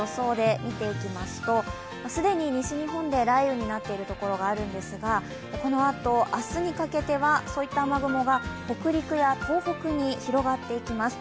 既に西日本で雷雨になっているところがあるんですがこのあと明日にかけては、そういった雨雲が北陸や東北に広がっていきます。